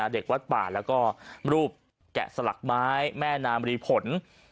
เด็กวัดป่าและรูปแกะสลัคม้ายแม่นามรีผล